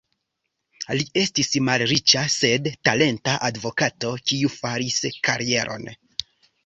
Li estis malriĉa, sed talenta advokato, kiu faris karieron.